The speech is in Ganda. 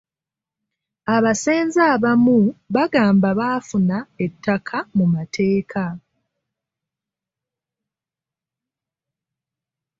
Abasenze abamu bagamba baafuna ettaka mu mateeka.